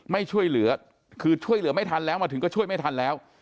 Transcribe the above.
ไม่ช่วยเหลือคือช่วยเหลือไม่ทันแล้วมาถึงก็ช่วยไม่ทันแล้ว